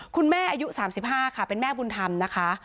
คุณแม่อายุสามสิบห้าค่ะเป็นแม่บุญธรรมนะคะ